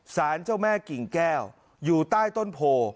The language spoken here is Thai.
สารเจ้าแม่กิ่งแก้วอยู่ใต้ต้นโพ